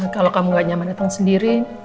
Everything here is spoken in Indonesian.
kalau kamu gak nyaman datang sendiri